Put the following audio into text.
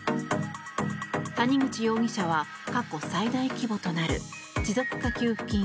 谷口容疑者は過去最大規模となる持続化給付金